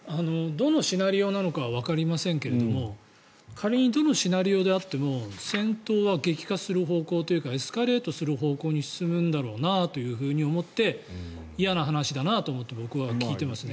どのシナリオなのかはわかりませんが仮にどのシナリオでもあっても戦闘は激化する方向というかエスカレートする方向に進むんだろうなと思って嫌な話だなと思って僕は聞いてますね。